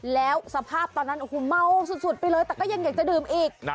แล้วสภาพตอนนั้นโอ้โหเมาสุดไปเลยแต่ก็ยังอยากจะดื่มอีก